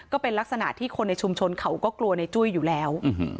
ก็เป็นลักษณะที่คนในชุมชนเขาก็กลัวในจุ้ยอยู่แล้ว